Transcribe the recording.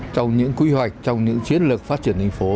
trong những quy hoạch trong những chiến lược phát triển thành phố